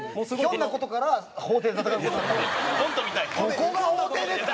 「ここが法廷ですか？」。